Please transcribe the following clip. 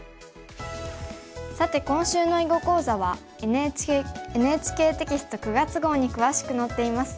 さて今週の囲碁講座はＮＨＫテキスト９月号に詳しく載っています。